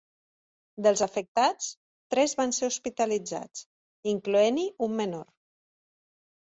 Dels afectats, tres van ser hospitalitzats, incloent-hi un menor.